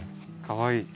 かわいい。